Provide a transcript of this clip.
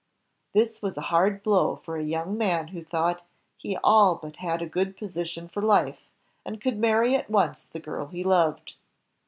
This was a hard blow for a young man who thought he all but had a good position for life, and could marry at once the girl he loved.